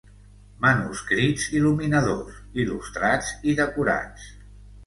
Manuscrits il·luminadors, il·lustrats i decorats.